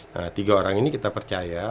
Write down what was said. nah tiga orang ini kita percaya